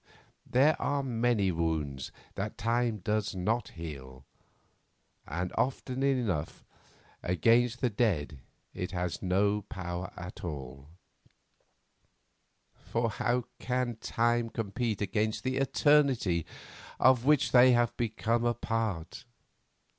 There are many wounds that time does not heal, and often enough against the dead it has no power at all—for how can time compete against the eternity of which they have become a part?